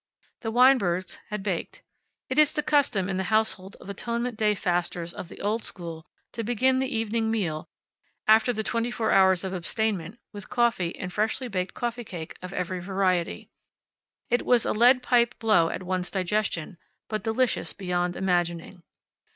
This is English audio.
The Weinberg's had baked. It is the custom in the household of Atonement Day fasters of the old school to begin the evening meal, after the twenty four hours of abstainment, with coffee and freshly baked coffee cake of every variety. It was a lead pipe blow at one's digestion, but delicious beyond imagining.